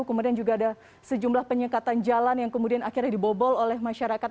kemudian juga ada sejumlah penyekatan jalan yang kemudian akhirnya dibobol oleh masyarakat